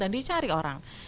dan dicari orang